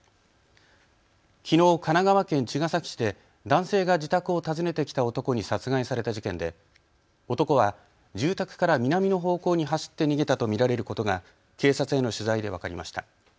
きのう神奈川県茅ヶ崎市で男性が自宅を訪ねてきた男に殺害された事件で男は住宅から南の方向に走って逃げたと見られることが警察への取材で分かりました。